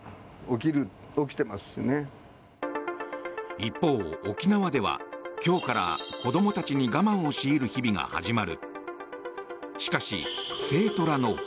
一方、沖縄では今日から子どもたちに我慢を強いる日々が始まる。